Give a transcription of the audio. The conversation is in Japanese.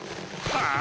ああ。